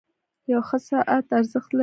• یو ښه ساعت ارزښت لري.